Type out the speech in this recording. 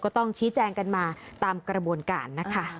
ต้องชี้แจงกันมาตามกระบวนการนะคะ